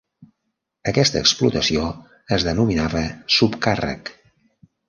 Aquesta explotació es denominava subcàrrec.